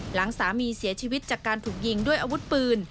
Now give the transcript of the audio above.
หลังสามีเสียชีวิตจากการถูกยิงด้วยอาวุธปืน